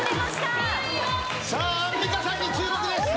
さあアンミカさんに注目です。